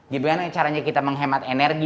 gimana caranya kita menghemat energi